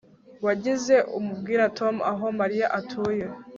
Wigeze ubwira Tom aho Mariya atuye